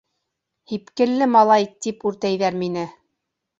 «Һипкелле малай» тип үртәйҙәр мине...